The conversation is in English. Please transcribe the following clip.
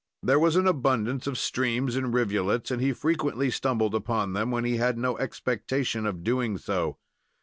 There was an abundance of streams and rivulets, and he frequently stumbled upon them, when he had no expectation of doing so.